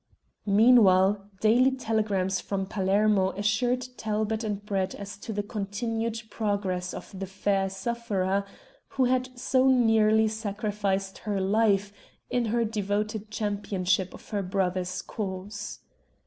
Meanwhile daily telegrams from Palermo assured Talbot and Brett as to the continued progress of the fair sufferer, who had so nearly sacrificed her life in her devoted championship of her brother's cause.